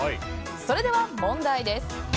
それでは問題です。